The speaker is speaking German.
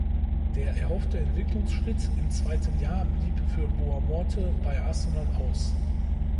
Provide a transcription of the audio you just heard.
Der erhoffte Entwicklungsschritt im zweiten Jahr blieb für Boa Morte bei Arsenal aus.